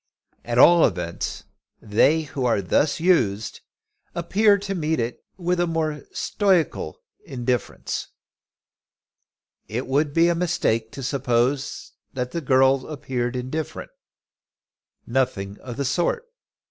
At all events, they who are thus used appear to meet it with a more stoical indifference. It would be a mistake to suppose that the girl appeared indifferent. Nothing of the sort.